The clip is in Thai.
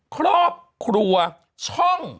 ครอบครัวช่อง